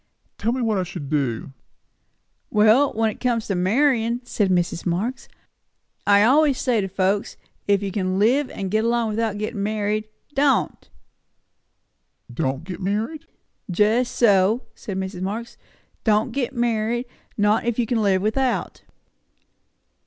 "Tell me what I shall do." "Well, when it comes to marryin'," said Mrs. Marx, "I always say to folks, If you can live and get along without gettin' married don't!" "Don't get married?" "Just so," said Mrs. Marx. "Don't get married; not if you can live without."